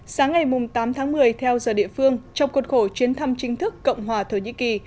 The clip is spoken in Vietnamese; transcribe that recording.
sáng ngày tám tháng một mươi theo giờ địa phương trong cuộc khổ chuyến thăm chính thức cộng hòa thổ nhĩ kỳ